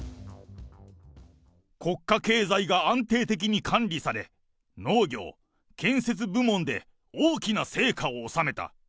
国家経済が安定的に管理され、農業、建設部門で大きな成果を収めた。